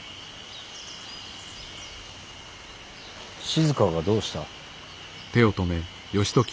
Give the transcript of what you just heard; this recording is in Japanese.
静がどうした。